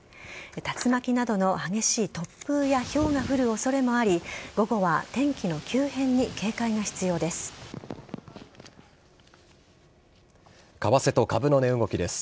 竜巻などの激しい突風やひょうが降る恐れもあり午後は天気の急変に警戒が必要です。